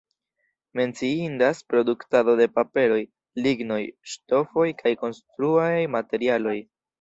Menciindas produktado de paperoj, lignoj, ŝtofoj kaj konstruaj materialoj.